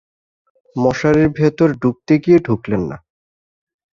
মশারির ভেতর ঢুকতে গিয়ে ঢুকলেন না।